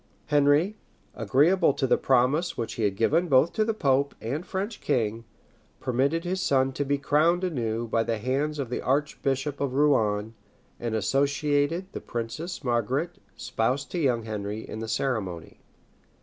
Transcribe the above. {1173.} Henry, agreeable to the promise which he had given both to the pope and French king, permitted his son to be crowned anew by the hands of the archbishop of Rouen, and associated the Princess Margaret, spouse to young Henry, in the ceremony.